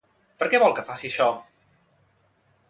Per què vol que faci això?